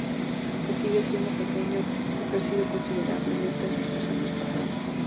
Aunque sigue siendo pequeño, ha crecido considerablemente en los dos años pasados.